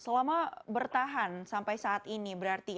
selama bertahan sampai saat ini berarti